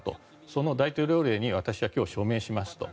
その大統領令に私は今日、署名しますと。